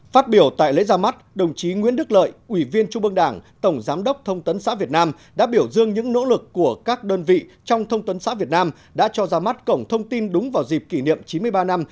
phát biểu tại lễ ra mắt đồng chí nguyễn đức lợi ủy viên trung ương đảng tổng giám đốc thông tấn xã việt nam đã biểu dương những nỗ lực của các đơn vị trong thông tấn xã việt nam đã cho ra mắt cổng thông tin đúng vào dịp kỷ niệm chín mươi ba năm